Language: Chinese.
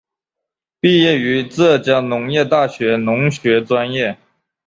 毕业于浙江农业大学农学专业。